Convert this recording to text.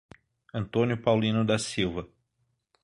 Antônio Paulino da Silva